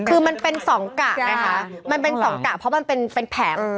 คือมันเป็นสองกะไงคะมันเป็นสองกะเพราะมันเป็นแผง